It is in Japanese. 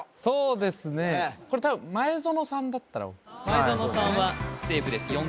そうですねこれたぶん前園さんだったら前園さんはセーフです